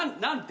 何？